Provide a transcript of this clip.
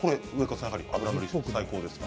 脂乗り最高ですか？